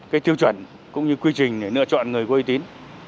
cái tiêu chuẩn cũng như quy trình để lựa chọn người có uy tín